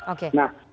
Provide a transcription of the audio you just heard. nah apa yang dilakukan